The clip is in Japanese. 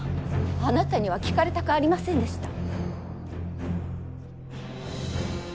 あなたには聞かれたくありませんでした。